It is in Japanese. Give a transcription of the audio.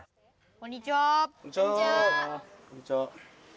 こんにちは。